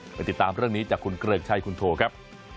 ไปติดตามเรื่องนี้จากคุณเกริกชัยคุณโทครับ